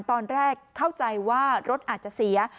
ตอนแรกเข้าใจว่ารถอาจจะเสีย